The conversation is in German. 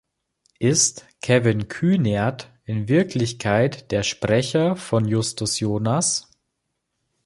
Ist Kevin Kühnert in Wirklichkeit der Sprecher von Justus Jonas?